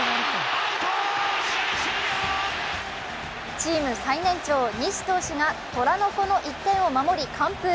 チーム最年長・西投手が虎の子の１点を守り、完封。